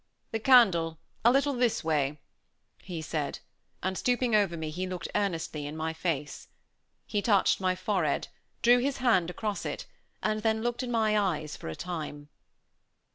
"The candle, a little this way," he said, and stooping over me he looked earnestly in my face. He touched my forehead, drew his hand across it, and then looked in my eyes for a time.